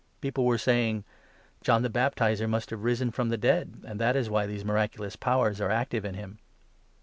People were saying — "John the Baptizer must have risen from the dead, and that is why these miraculous powers are active in him."